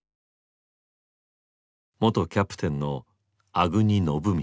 元キャプテンの粟國信光。